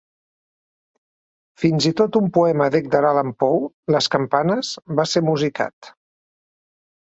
Fins i tot un poema d'Edgar Allan Poe, "Les campanes", va ser musicat.